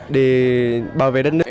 để bảo vệ đất nước